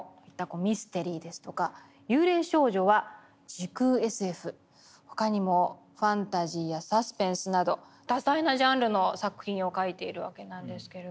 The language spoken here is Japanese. ミステリーですとか「幽霊少女」は時空ＳＦ他にもファンタジーやサスペンスなど多彩なジャンルの作品を描いているわけなんですけれども。